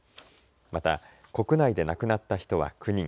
また国内で亡くなった人は９人。